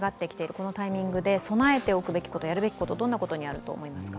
このタイミングで備えておくべきこと、やるべきことどんなことがあると思いますか？